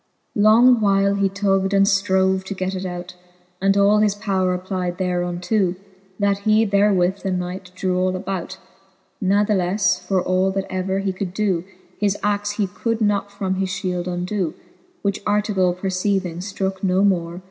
XXII. Long while he tug'd and ftrove, to get it out, And all his powre applyed thereunto, That he therewith the knight drew all about : Kathleflc, for all that ever he could doe. His axe he could not from his fhield undoe. Which Artegall perceiving, ftrooke no more.